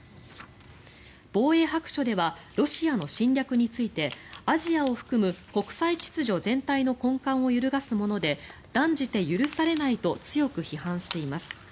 防衛白書ではロシアの侵略についてアジアを含む国際秩序全体の根幹を揺るがすもので断じて許されないと強く批判しています。